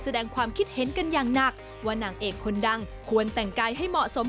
แสดงความคิดเห็นกันอย่างหนักว่านางเอกคนดังควรแต่งกายให้เหมาะสม